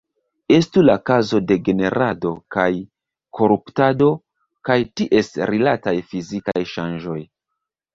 Estu la kazo de generado kaj koruptado kaj ties rilataj fizikaj ŝanĝoj.